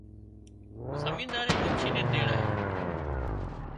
زمينۮارئي منچي نين تيڙايو